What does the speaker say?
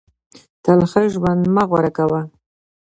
تل ښه ژوند مه غوره کوه.